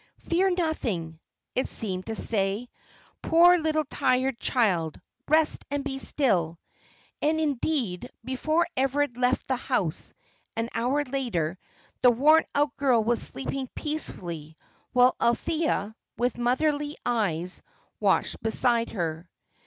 "Fear nothing," it seemed to say, "poor little tired child, rest and be still." And indeed, before Everard left the house, an hour later, the worn out girl was sleeping peacefully, while Althea, with motherly eyes, watched beside her.